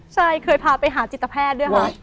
ใช่เคยพาไปหาจิตแพทย์ด้วยค่ะ